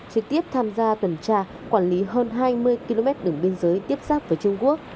trực tiếp tham gia tuần tra quản lý hơn hai mươi km đường biên giới tiếp xác với trung quốc